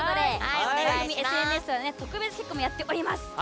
番組ＳＮＳで特別企画もやっております。